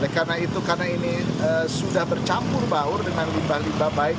karena itu karena ini sudah bercampur baur dengan limba limba baik